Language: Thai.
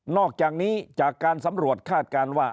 อกจากนี้จากการสำรวจคาดการณ์ว่า